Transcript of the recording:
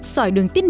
sỏi đường tiết bệnh